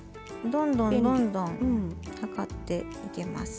どんどんどんどん量っていけます。